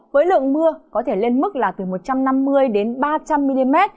với lượng mưa có thể lên mức là từ một trăm năm mươi đến ba trăm linh mm